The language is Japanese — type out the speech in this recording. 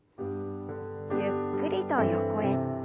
ゆっくりと横へ。